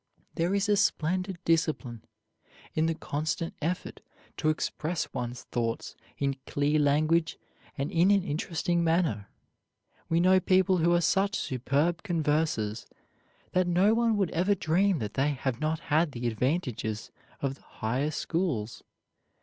There is a splendid discipline in the constant effort to express one's thoughts in clear language and in an interesting manner. We know people who are such superb conversers that no one would ever dream that they have not had the advantages of the higher schools.